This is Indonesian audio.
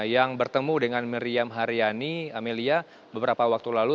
yang bertemu dengan meriam haryani amelia beberapa waktu lalu